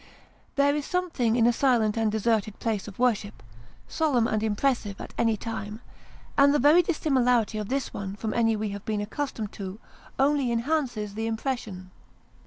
There is something in a silent and deserted place of worship, solemn and impressive at any time ; and the very dissimilarity of this one from any we have been accus tomed to, only enhances the impression.